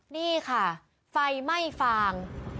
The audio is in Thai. นี่ค่ะไฟไหม้ฟาง